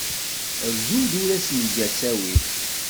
Agdud ur as-nga ttawil.